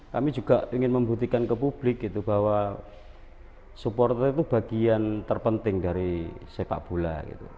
kami juga ingin membuktikan ke publik gitu bahwa supporter itu bagian terpenting dari sepak bola